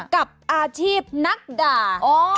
กับอาชีพนักด่า